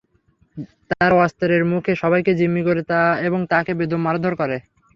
তারা অস্ত্রের মুখে সবাইকে জিম্মি করে এবং তাঁকে বেদম মারধর করে।